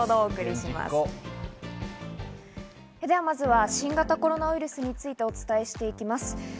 まずは新型コロナウイルスについてお伝えします。